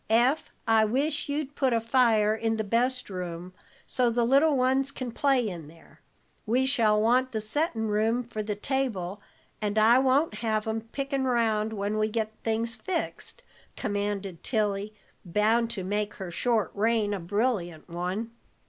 Eph, I wish you'd put a fire in the best room, so the little ones can play in there. We shall want the settin' room for the table, and I won't have 'em pickin' 'round when we get things fixed," commanded Tilly, bound to make her short reign a brilliant one.